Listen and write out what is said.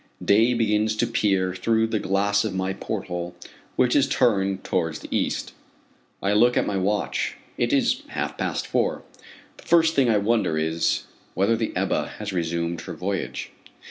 Day begins to peer through the glass of my port hole, which is turned towards the east. I look at my watch. It is half past four. The first thing I wonder is, whether the Ebba has resumed her voyage.